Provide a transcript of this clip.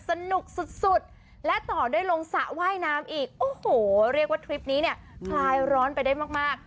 สนุกสุดสุดและต่อได้ลงสระว่ายน้ำอีกโอ้โหเรียกว่าทริปนี้เนี่ยคลายร้อนไปได้มาก